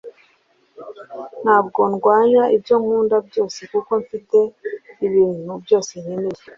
ntabwo ndwanya ibyo nkunda byose kuko mfite ibintu byose nkeneye